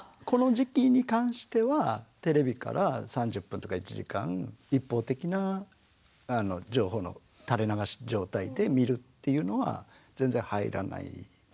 この時期に関してはテレビから３０分とか１時間一方的な情報の垂れ流し状態で見るっていうのは全然入らない。